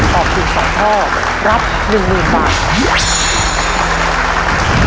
ตอบถูก๒ข้อรับ๑๐๐๐บาท